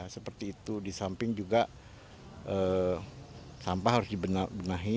seperti itu di samping juga sampah harus dibenahi